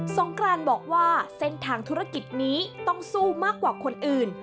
งกรานบอกว่าเส้นทางธุรกิจนี้ต้องสู้มากกว่าคนอื่น